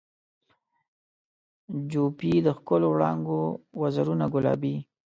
جوپې د ښکلو وړانګو وزرونه ګلابي